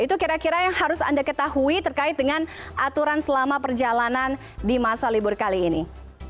itu kira kira yang harus anda ketahui terkait dengan aturan selama perjalanan di masa libur kali ini